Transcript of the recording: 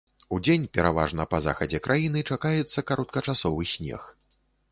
Удзень пераважна па захадзе краіны чакаецца кароткачасовы снег.